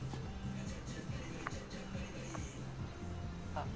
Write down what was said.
あっ。